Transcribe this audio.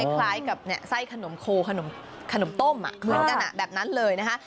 คล้ายกับไส้ขนมโคขนมต้มเหมือนกันแบบนั้นเลยนะคะ